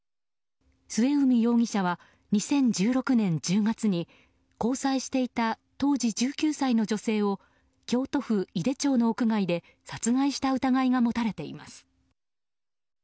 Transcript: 末海容疑者は２０１６年１０月に交際していた当時１９歳の女性を京都府井手町の屋外で殺害した疑いが持たれています。